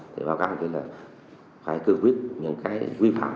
thì các phường xã phải cường quyết những cái vi phạm